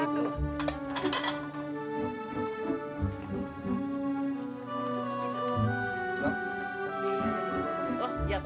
aku punya pe